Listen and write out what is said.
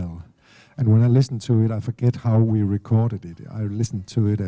dan ketika saya mendengarnya saya lupa bagaimana kita mencetaknya